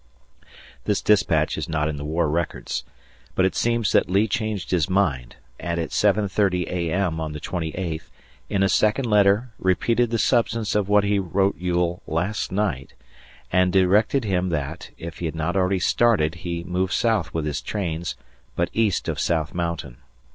This dispatch is not in the war records. But it seems that Lee changed his mind and, at 7.30 A.M. on the twenty eighth, in a second letter repeated the substance of what he wrote Ewell "last night", and directed him that, if he had not already started, he move south with his trains, but east of South Mountain.